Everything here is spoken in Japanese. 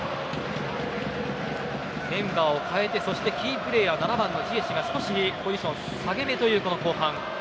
メンバーを代えてそしてキープレーヤー７番のジエシュが少しポジション下げめという後半。